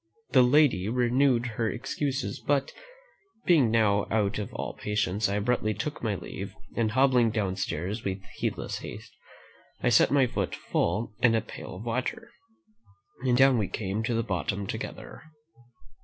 The lady renewed her excuses; but, being now out of all patience, I abruptly took my leave, and hobbling downstairs with heedless haste, I set my foot full in a pail of water, and down we came to the bottom together."